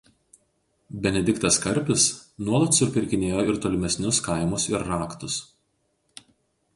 Benediktas Karpis nuolat supirkinėjo ir tolimesnius kaimus ir raktus.